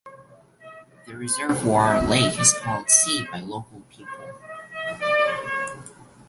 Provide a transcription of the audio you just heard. The reservoir lake is called "sea" by local people.